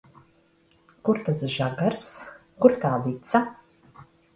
Kur tas žagars, kur tā vica?